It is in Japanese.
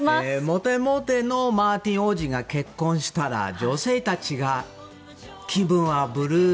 モテモテのマティーン王子が結婚したら女性たちが気分はぶるー